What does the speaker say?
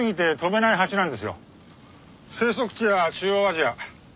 生息地は中央アジア。